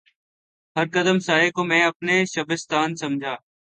ہر قدم سائے کو میں اپنے شبستان سمجھا